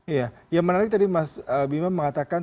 iya yang menarik tadi mas bima mengatakan